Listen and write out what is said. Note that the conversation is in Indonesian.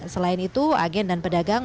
selain itu agen dan pedagang